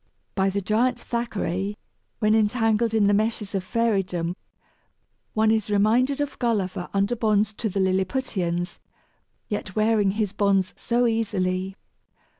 By the giant Thackeray, when entangled in the meshes of Fairydom, one is reminded of Gulliver under bonds to the Lilliputians, yet wearing his bonds so easily!